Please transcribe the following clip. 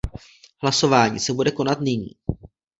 Hlasování se bude konat nyní.